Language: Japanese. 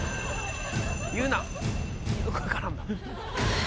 言うな「よく分からんな」。